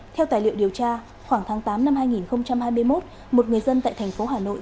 theo tài liệu điều tra khoảng tháng tám năm hai nghìn hai mươi một một người dân tại thành phố hà nội